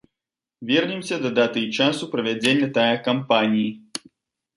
Вернемся да даты і часу правядзення тае кампаніі.